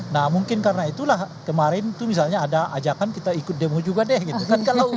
nah mungkin karena itulah kemarin itu misalnya ada ajakan kita ikut demo juga deh gitu kan